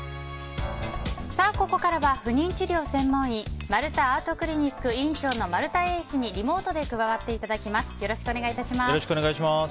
ここからは不妊治療専門医院まるたＡＲＴクリニック院長の丸田英医師にリモートで加わっていただきます。